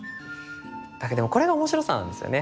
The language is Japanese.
だけどこれが面白さなんですよね。